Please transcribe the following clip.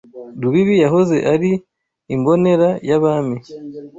Rubibi yahoze ari imbonera y’Abami